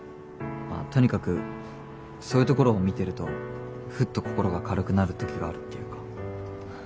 まあとにかくそういうところを見てるとふっと心が軽くなる時があるっていうか。